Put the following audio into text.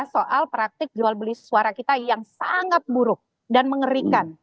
soal praktik jual beli suara kita yang sangat buruk dan mengerikan